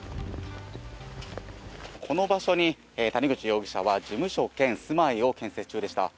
この場所に、谷口容疑者は事務所兼住まいを建設中でした。